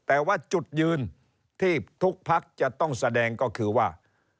แต่ว่าจุดยืนที่ทุกพักจะต้องแสดงก็คือว่า